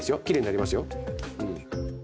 きれいになりますよ。